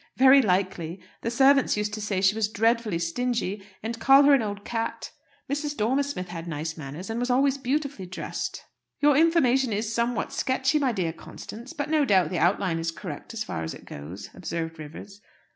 "Very likely. The servants used to say she was dreadfully stingy, and call her an old cat. Mrs. Dormer Smith had nice manners, and was always beautifully dressed." "Your information is somewhat sketchy, my dear Constance; but no doubt the outline is correct as far as it goes," observed Rivers.